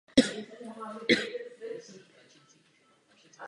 Vyhlášení je spojeno se zajímavým společenským programem.